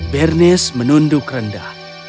bernes menunduk rendah